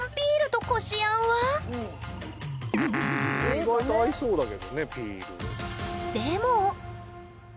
意外と合いそうだけどねピール。